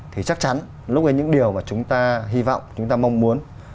thì chắc chắn lúc ấy những điều mà chúng ta hy vọng chúng ta mong muốn